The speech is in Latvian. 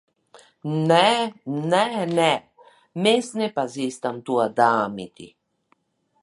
Nē, nē, nē. Mēs nepazīstam to dāmīti.